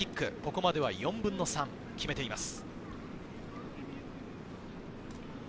ここまでは４分の３決めています。